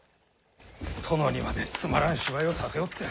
殿にまでつまらん芝居をさせおって。